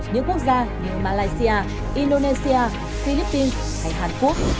những quốc gia như malaysia indonesia philippines hay hàn quốc